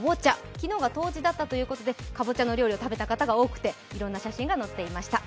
昨日が冬至だったこともありかぼちゃの料理を食べた方が多くて、いろんな写真が載っていました。